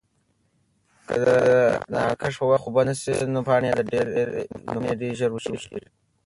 که د نعناع کښت په وخت اوبه نشي نو پاڼې یې ډېرې ژر وچیږي.